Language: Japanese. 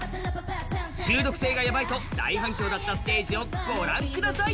中毒性がやばいと大反響だったステージをご覧ください。